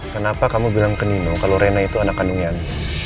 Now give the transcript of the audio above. kenapa kamu bilang ke nino kalau rena itu anak kandungan